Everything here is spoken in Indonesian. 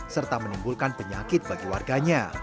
serta menimbulkan penyakit bagi warganya